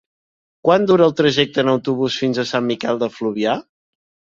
Quant dura el trajecte en autobús fins a Sant Miquel de Fluvià?